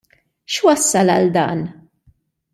X'wassal għal dan?